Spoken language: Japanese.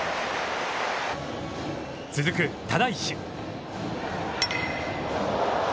続く只石。